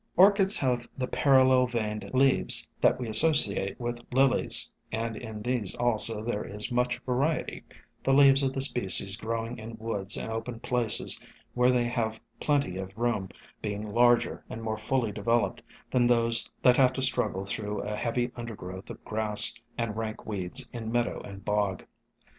Orchids have the parallel veined leaves that we associate with Lilies, and in these also there is much variety, the leaves of the species growing in woods and open places where they have plenty of room being larger and more fully developed than those that have to struggle through a heavy under growth of grass and rank weeds in meadow and bog.